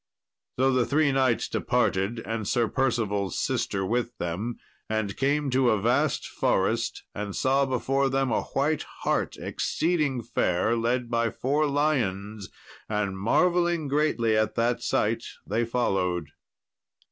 So the three knights departed, and Sir Percival's sister with them, and came to a vast forest, and saw before them a white hart, exceeding fair, led by four lions; and marvelling greatly at that sight, they followed.